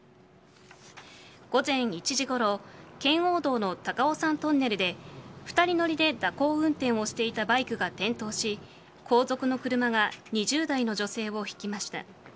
午前１時ごろ圏央道の高尾山トンネルで２人乗りで蛇行運転をしていたバイクが転倒し後続の車が２０代の女性をひきました。